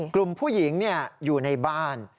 กลุ่มผู้หญิงอยู่ในบ้าน